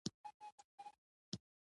هندوانه د پکتیا په ولایت کې ښه پیدا کېږي.